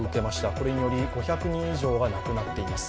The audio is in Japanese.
これにより５００人以上が亡くなっています。